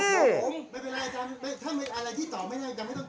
ไม่เป็นไรน่ะท่านท่านมีอะไรที่ตอบไหม